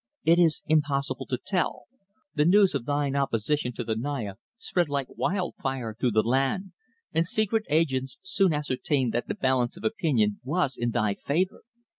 "It is impossible to tell. The news of thine opposition to the Naya spread like wildfire through the land, and secret agents soon ascertained that the balance of opinion was in thy favour.